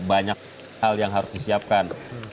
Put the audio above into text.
banyak hal yang harus disiapkan